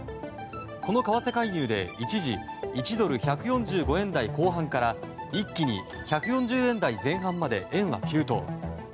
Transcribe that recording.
この為替介入で一時１ドル＝１４５円台後半から一気に１４０円台前半まで円は急騰。